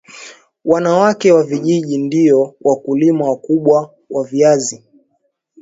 wanawake wa vijijini ndio wakulima wakubwa wa viazi